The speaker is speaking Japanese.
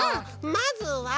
まずは